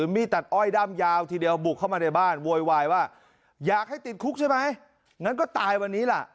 มีดตัดอ้อยด้ามยาวทีเดียวบุกเข้ามาในบ้านโวยวายว่าอยากให้ติดคุกใช่ไหมงั้นก็ตายวันนี้ล่ะ